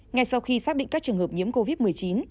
ngay sau khi xác định các trường hợp nhiễm covid một mươi chín